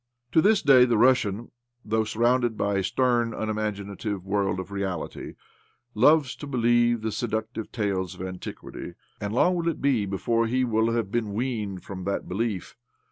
To this day the Russian, though sur rounded by a stern, unimaginative world of reality, loves to believe the seductive tales of antiquity. And long will it be before he wUl have been weaned from that belief.